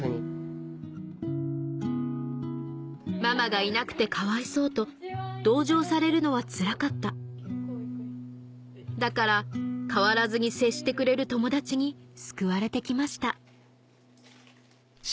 ママがいなくてかわいそうと同情されるのはつらかっただから変わらずに接してくれる友達に救われて来ました